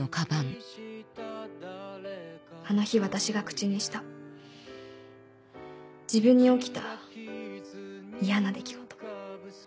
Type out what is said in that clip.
あの日私が口にした自分に起きた嫌な出来事。